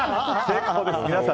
皆さん